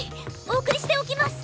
お送りしておきます！